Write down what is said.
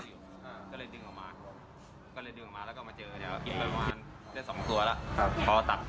ก็เลยดึงออกมาแล้วก็มาเจอเนี้ยครับเป็นประมาณได้สองตัวแล้วครับ